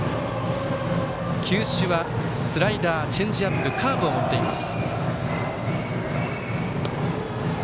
球種はスライダーチェンジアップカーブを持っています。